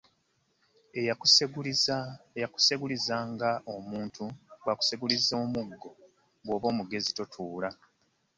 Eyakuseguliza nga omuntu, bwakuseguliza omugo, bwoba mugezi totuula .